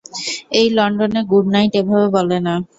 এই, লন্ডনে good night, এভাবে বলে না।